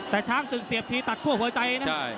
แต่ช้างศึกเสียบทีตัดคั่วหัวใจนะ